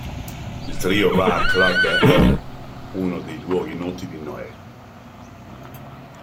Il trio va a Club Hell, uno dei luoghi noti di Noè.